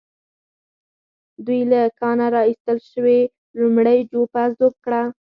دوی له کانه را ايستل شوې لومړۍ جوپه ذوب کړه.